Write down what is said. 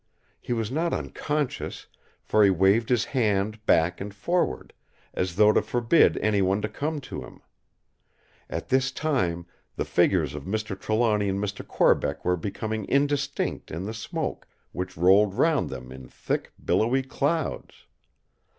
He was not unconscious; for he waved his hand back and forward, as though to forbid any one to come to him. At this time the figures of Mr. Trelawny and Mr. Corbeck were becoming indistinct in the smoke which rolled round them in thick billowy clouds.